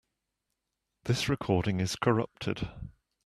This recording is corrupted.